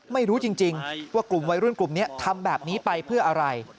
ไม่รู้จริงว่ากลุ่มวัยรุ่นกลุ่มนี้ทำแบบนี้ไปเพื่ออะไร